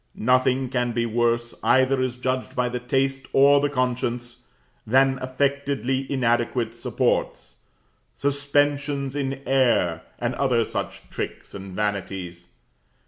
Nothing can be worse, either as judged by the taste or the conscience, than affectedly inadequate supports suspensions in air, and other such tricks and vanities.